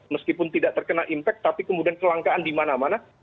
meskipun tidak terkena impact tapi kemudian kelangkaan di mana mana